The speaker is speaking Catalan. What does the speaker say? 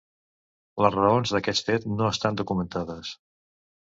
Les raons d'aquest fet no estan documentades.